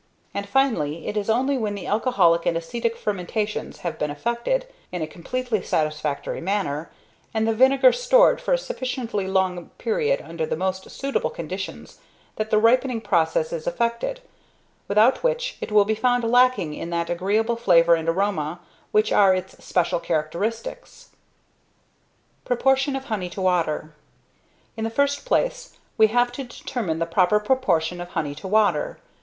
And finally, it is only when the alcoholic and acetic fermentations have been effected, in a completely satisfactory manner, and the vinegar stored for a sufficiently long period under the most suitable conditions, that the ripening process is effected, without which it will be found lacking in that agreeable flavour and aroma which are its special characteristics. [Sidenote: Proportion of Honey to Water.] In the first place, we have to determine the proper proportion of honey to water.